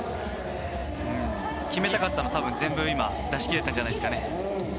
決めたかったのは全部出し切れたんじゃないですかね。